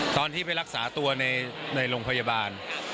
ตอนที่ไปรักษาตัวในโรงพยาบาล